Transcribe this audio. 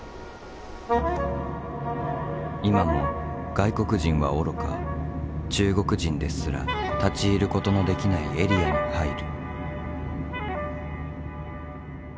今も外国人はおろか中国人ですら立ち入ることのできないエリアに入る。